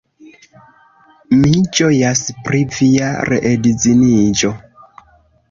Mi ĝojas pri via reedziniĝo.